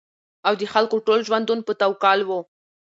او د خلکو ټول ژوندون په توکل وو